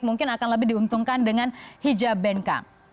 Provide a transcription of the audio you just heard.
mungkin akan lebih diuntungkan dengan hijab benka